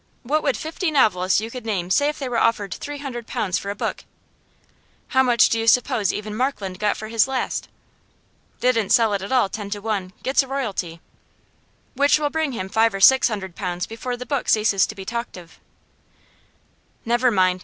What would fifty novelists you could name say if they were offered three hundred pounds for a book? How much do you suppose even Markland got for his last?' 'Didn't sell it at all, ten to one. Gets a royalty.' 'Which will bring him five or six hundred pounds before the book ceases to be talked of.' 'Never mind.